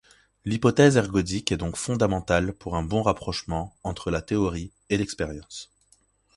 L'hypothèse ergodique est donc fondamentale pour un bon rapprochement entre la théorie et l'expérience.